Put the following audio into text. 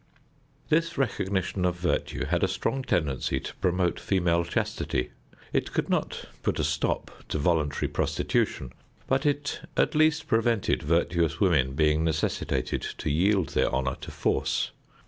This recognition of virtue had a strong tendency to promote female chastity. It could not put a stop to voluntary prostitution, but it at least prevented virtuous women being necessitated to yield their honor to force.